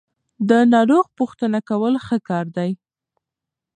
د ناروغ پوښتنه کول ښه کار دی.